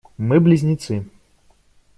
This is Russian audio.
Мы близнецы.